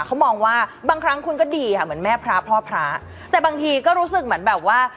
เขามองว่าบางครั้งคุณก็ดีค่ะเหมือนแม่พระพ่อพระแต่บางทีก็รู้สึกเหมือนแบบว่า